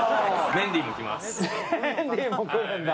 メンディーも来るんだ。